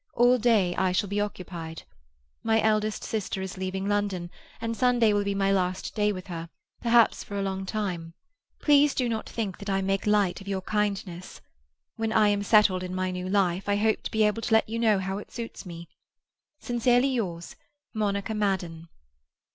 All day I shall be occupied. My eldest sister is leaving London, and Sunday will be my last day with her, perhaps for a long time. Please do not think that I make light of your kindness. When I am settled in my new life, I hope to be able to let you know how it suits me.—Sincerely yours, MONICA MADDEN."